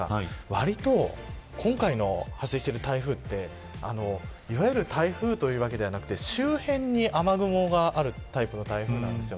わりと今回の発生している台風はいわゆる台風というわけではなく周辺に雨雲があるタイプの台風なんです。